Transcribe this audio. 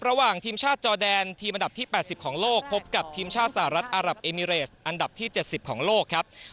ระหว่างทีมชาติจอดานทีมอันดับที่๘๐ของโลก